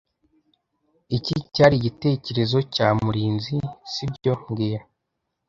Iki cyari igitekerezo cya Murinzi, sibyo mbwira